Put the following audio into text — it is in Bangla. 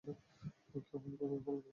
কেউ ফোন করে বলবে?